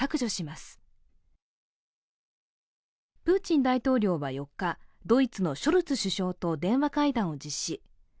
プーチン大統領は４日、ドイツのショルツ首相と電話会談を実施。